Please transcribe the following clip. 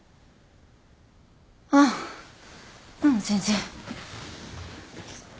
ああううん全然。